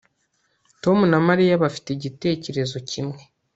Tom na Mariya bafite igitekerezo kimwe